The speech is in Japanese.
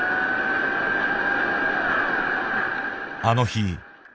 あの日。